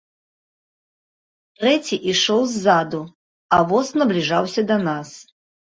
Трэці ішоў ззаду, а воз набліжаўся да нас.